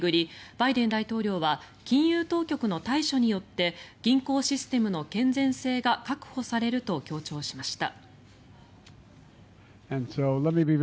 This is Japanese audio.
バイデン大統領は金融当局の対処によって銀行システムの健全性が確保されると強調しました。